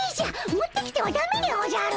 持ってきてはダメでおじゃる！